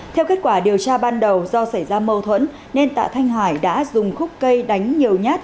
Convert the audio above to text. theo kết quả điều tra ban đầu do xảy ra mâu thuẫn nên tạ thanh hải đã dùng khúc cây đánh nhiều nhát